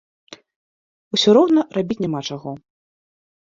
Усё роўна рабіць няма чаго.